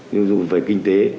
như dù về kinh tế